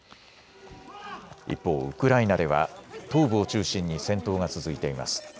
一方、ウクライナでは東部を中心に戦闘が続いています。